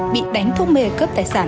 bị đánh thuốc mê cướp tài sản